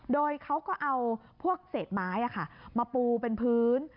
โดยเขาก็เอาพวกเศษไม้มาปูเป็นพื้น